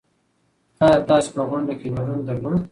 ايا تاسې په غونډه کې ګډون درلود؟